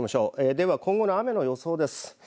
では、今後の雨の予想です。